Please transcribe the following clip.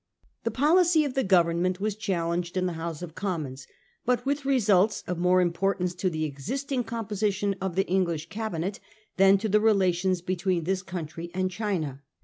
The policy of the Government was challenged in the House of Commons, but with results of more im portance to the existing composition of the English Cabinet than to the relations between this country and China.